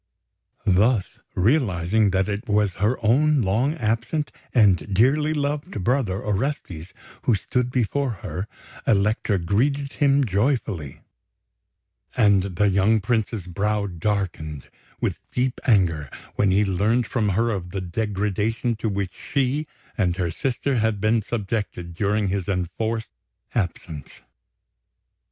Thus realising that it was her own long absent and dearly loved brother, Orestes, who stood before her, Elektra greeted him joyfully; and the young Prince's brow darkened with deep anger when he learned from her of the degradation to which she and her sister had been subjected during his enforced absence.